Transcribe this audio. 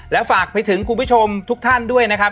และฝากไปถึงคุณผู้ชมทุกท่านด้วยนะครับ